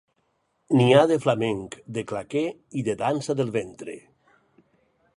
N'hi ha de flamenc, de claqué i de dansa del ventre.